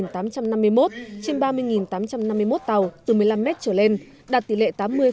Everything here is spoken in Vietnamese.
trên ba mươi tám trăm năm mươi một tàu từ một mươi năm m trở lên đạt tỷ lệ tám mươi sáu mươi một